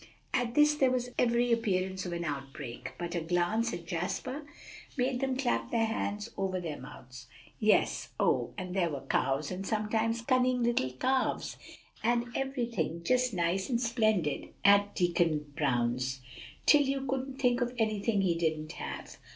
At this there was every appearance of an outbreak, but a glance at Jasper made them clap their hands over their mouths. "Yes; oh! and there were cows, and sometimes cunning little calves, and everything just nice and splendid at Deacon Brown's, till you couldn't think of anything he didn't have.